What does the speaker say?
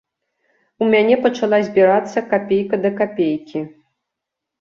У мяне пачала збірацца капейка да капейкі.